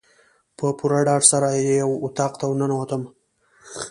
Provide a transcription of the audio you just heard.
په پوره ډاډ سره یو اطاق ته ورننوتم.